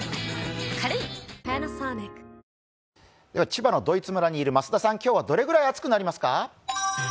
千葉のドイツ村にいる増田さん、今日はどれくらい暑くなりますか？